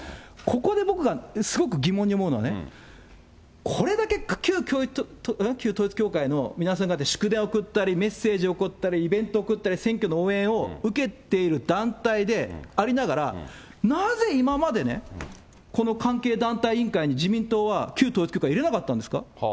ここで僕がすごく疑問に思うのはね、これだけ旧統一教会の皆さん方、祝電を送ったり、メッセージを送ったり、イベント送ったり、選挙の応援を受けている団体でありながら、なぜ今までね、この関係団体委員会に、自民党は旧統一教会を入れなかったんですか。